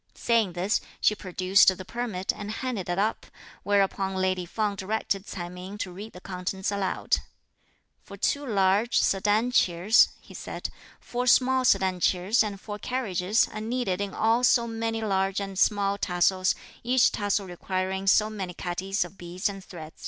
Saying this, she produced the permit and handed it up, whereupon lady Feng directed Ts'ai Ming to read the contents aloud. "For two large, sedan chairs," he said, "four small sedan chairs and four carriages, are needed in all so many large and small tassels, each tassel requiring so many catties of beads and thread."